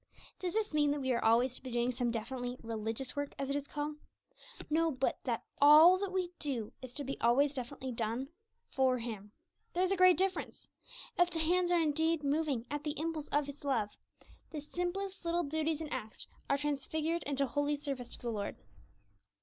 Does this mean that we are always to be doing some definitely 'religious' work, as it is called? No, but that all that we do is to be always definitely done for Him. There is a great difference. If the hands are indeed moving 'at the impulse of His love,' the simplest little duties and acts are transfigured into holy service to the Lord.